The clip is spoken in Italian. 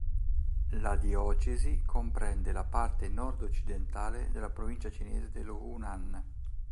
La diocesi comprende la parte nord-occidentale della provincia cinese dello Hunan.